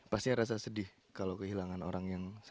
pasti rasa sedih kalau kehilangan orang yang sangat terlalu